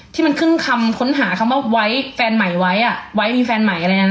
ที่มันขึ้นคำค้นหาคำว่าไว้แฟนใหม่ไว้ไว้มีแฟนใหม่อะไรอย่างนั้น